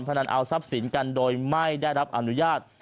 นันเอาทรัพย์สินกันโดยไม่ได้รับอนุญาต